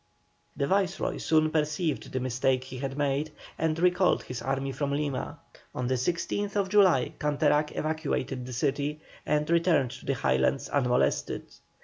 The Viceroy soon perceived the mistake he had made, and recalled his army from Lima. On the 16th July Canterac evacuated the city, and returned to the Highlands unmolested.